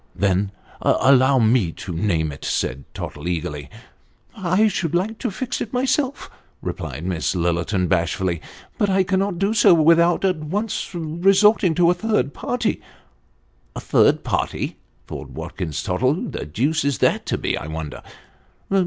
" Then allow me to name it," said Tottle eagerly. " I should like to fix it myself," replied Miss Lillerton, bashfully, " but I cannot do so without at once resorting to a third party." " A third party !" thought Watkins Tottle ;" who the deuce is that to be, I wonder